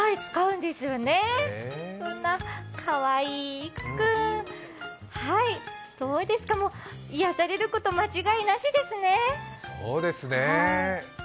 そんなかわいい育君、癒やされること間違いなしですね。